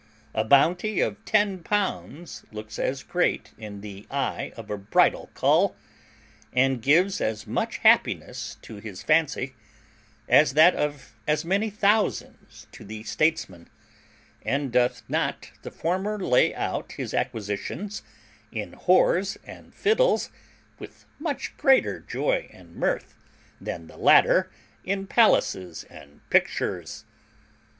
A booty of L10 looks as great in the eye of a bridle cull, and gives as much real happiness to his fancy, as that of as many thousands to the statesman; and doth not the former lay out his acquisitions in whores and fiddles with much greater joy and mirth than the latter in palaces and pictures?